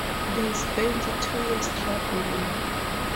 They spent two years travelling.